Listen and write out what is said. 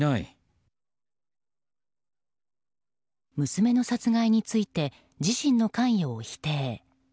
娘の殺害について自身の関与を否定。